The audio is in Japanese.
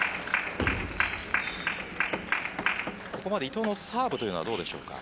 ここまで伊藤のサーブはどうでしょうか。